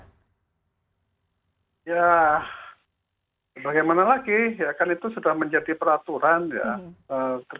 ya bagaimana lagi ya kan itu sudah menjadi peraturan ya